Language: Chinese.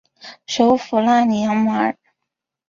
首府纳里扬马尔。